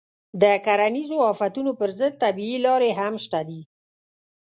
د کرنیزو آفتونو پر ضد طبیعي لارې هم شته دي.